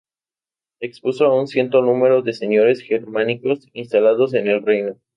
Expulsó a un cierto número de señores germánicos instalados en el reino.